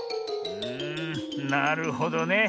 うんなるほどね。